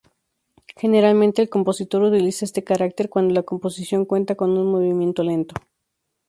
Generalmente el compositor utiliza este carácter cuando la composición cuenta con un movimiento lento.